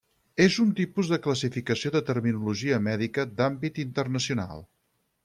És un tipus de classificació de terminologia mèdica d'àmbit internacional.